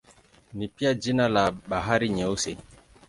Ni pia jina la Bahari Nyeusi.